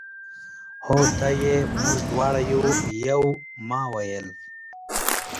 هو ته یې، موږ دواړه یو، یو. ما وویل.